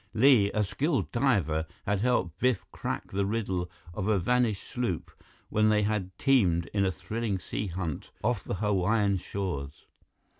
Li, a skilled diver, had helped Biff crack the riddle of a vanished sloop when they had teamed in a thrilling sea hunt off the Hawaiian shores.